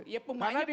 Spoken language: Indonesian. ya pemakai pas ini ya